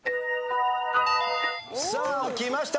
さあきました。